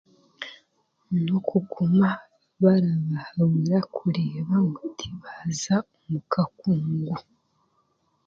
N'okuguma orabahabura kureeba ngu tibaaza omu kakungu